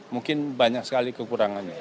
mungkin banyak sekali kekurangannya